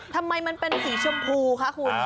ทำไมมันเป็นสีชมพูคะคุณ